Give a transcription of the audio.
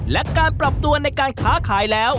และการปรับตัวในการค้าขายแล้ว